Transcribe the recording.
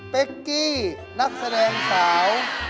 เป็กกี้นักแสดงสาว